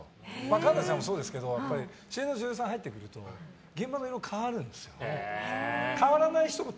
環奈さんもそうですけど主演の女優さんが入ってくると現場の色が変わるんです。